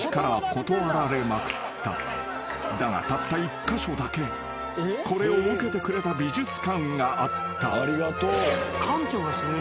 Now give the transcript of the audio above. ［だがたった１カ所だけこれを受けてくれた美術館があった］